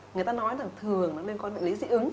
người ta nói là thường nó liên quan đến lý dị ứng